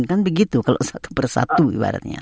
kan begitu kalau satu persatu ibaratnya